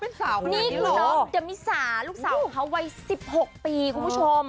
นี่ละเดมิสาลูกสาวเขาวัยสิบหกปีคุณผู้ชม